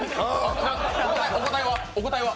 お答えは？